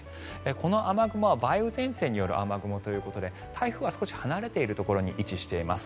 この雨雲は梅雨前線による雨雲ということで台風は少し離れているところに位置しています。